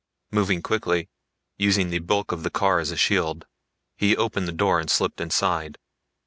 Moving quickly, using the bulk of the car as a shield, he opened the door and slipped inside.